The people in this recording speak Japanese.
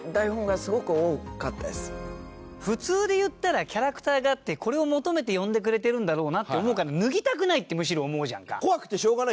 普通で言ったらキャラクターがあってこれを求めて呼んでくれてるんだろうなって思うから脱ぎたくないってむしろ思うじゃんか。